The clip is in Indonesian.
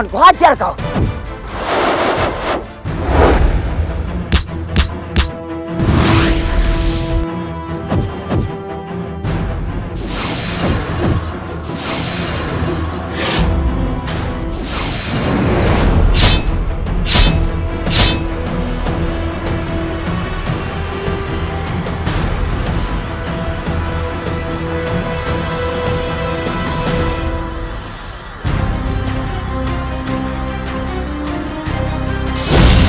nyai sudah mori